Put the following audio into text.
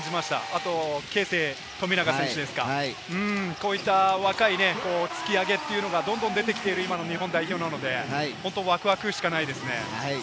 あと啓之、富永選手、こういった若い突き上げというのがどんどんできてきている今の日本代表なので、ワクワクしかないですね。